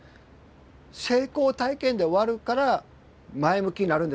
成功体験で終わるから前向きになるんですよ。